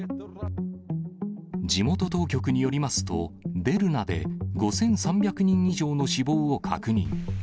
地元当局によりますと、デルナで、５３００人以上の死亡を確認。